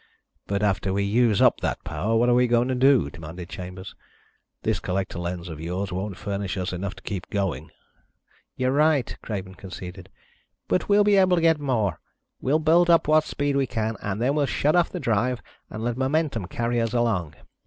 "But after we use up that power, what are we going to do?" demanded Chambers. "This collector lens of yours won't furnish us enough to keep going." "You're right," Craven conceded, "but we'll be able to get more. We'll build up what speed we can and then we'll shut off the drive and let momentum carry us along.